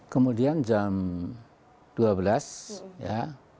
kemudian jam dua belas ya